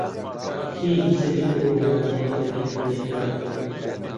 کێ نووسەری ئەو ڕۆمانەیە کە دەیخوێنیتەوە؟